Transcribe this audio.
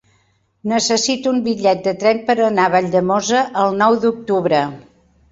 Necessito un bitllet de tren per anar a Valldemossa el nou d'octubre.